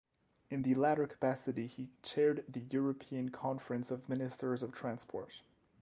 In the latter capacity he chaired the European Conference of Ministers of Transport.